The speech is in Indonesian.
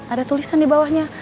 ada tulisan di bawahnya